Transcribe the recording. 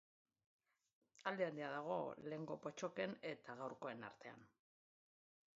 Alde handia dago lehenengo pottoken eta gaurkoen artean.